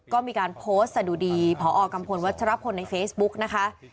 ก็มีการโพสต์สะดุดีพอกัมพลวัชรพลในเฟซบุ๊กนะคะ